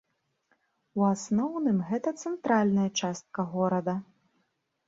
У асноўным гэта цэнтральная частка горада.